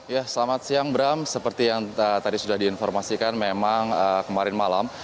ya selamat siang bram seperti yang tadi sudah diinformasikan memang kemarin malam